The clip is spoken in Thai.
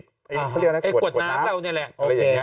กรวดน้ำเราเนี่ยแหละ